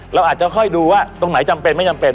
เราอาจจะค่อยดูว่าตรงไหนจำเป็นไม่จำเป็น